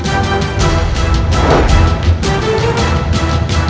aku berharap membayokannya